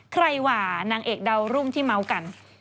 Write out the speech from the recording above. หว่านางเอกดาวรุ่งที่เมาส์กัน